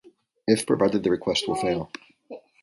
if provided the request will fail